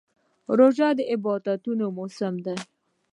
روژه د عبادتونو موسم دی.